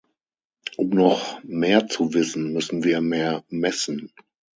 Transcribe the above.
Um noch mehr zu wissen, müssen wir mehr messen.